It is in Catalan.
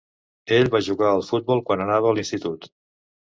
Ell va jugar al futbol quan anava a l'institut.